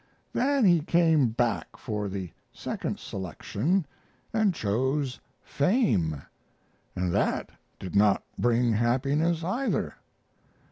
Then he came back for the second selection, and chose fame, and that did not bring happiness either.